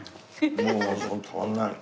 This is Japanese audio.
もうホントたまんない。